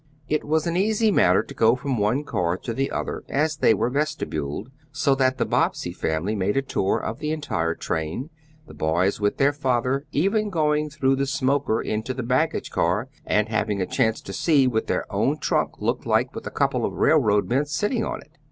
It was an easy matter to go from one car to the other as they were vestibuled, so that the Bobbsey family made a tour of the entire train, the boys with their father even going through the smoker into the baggage car, and having a chance to see what their own trunk looked like with a couple of railroad men sitting on it.